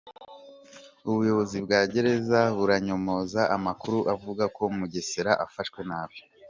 Ubuyobozi bwa Gereza buranyomoza amakuru avuga ko Mugesera afashwe nabi